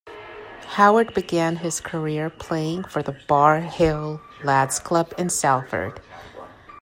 Howard began his career playing for the Barr Hill Lads Club in Salford.